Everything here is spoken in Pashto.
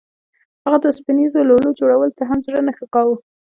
هغه د اوسپنیزو لولو جوړولو ته هم زړه نه ښه کاوه